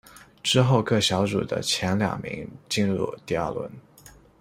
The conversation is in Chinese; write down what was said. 之后各小组的前两名进入第二轮。